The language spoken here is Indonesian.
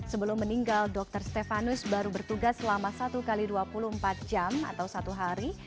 sebelum meninggal dokter stefanus baru bertugas selama satu x dua puluh empat jam atau satu hari